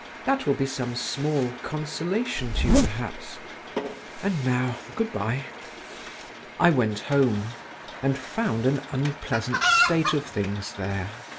"That will be some small consolation to you, perhaps … and now good bye." I went home, and found an unpleasant state of things there.